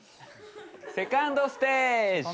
セカンドステージ。